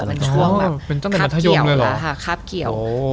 มันตั้งแต่มัธยมเลยหรอ